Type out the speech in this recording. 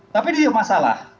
tapi ini masalah